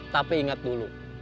tapi ingat dulu